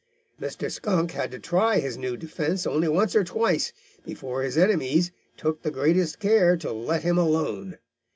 "Mr. Skunk had to try his new defence only once or twice before his enemies took the greatest care to let him alone.